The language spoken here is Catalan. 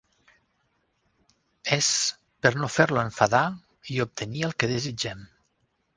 És per no fer-lo enfadar i obtenir el que desitgem.